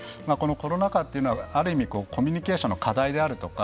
コロナ禍っていうのは、ある意味コミュニケーションの課題であるとか。